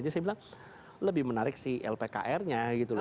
jadi saya bilang lebih menarik si lpkrnya gitu loh